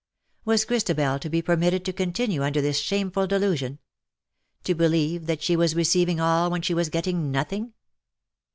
Was Christabel to be permitted to continue under this shameful delusion — to believe that she was receiving all when she was getting nothing